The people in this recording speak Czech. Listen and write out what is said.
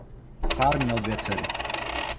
Pár měl dvě dcery.